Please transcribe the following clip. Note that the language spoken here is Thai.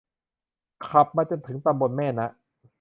ขับมาจนถึงตำบลแม่นะ